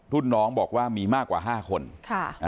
รุ่นน้องบอกว่ามีมากกว่าพี่แภงอีกนะครับ